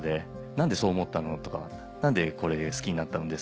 「何でそう思ったの？」とか「何でこれ好きになったんです？」とか